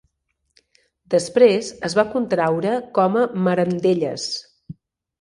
Després, es va contraure com a Marandellas.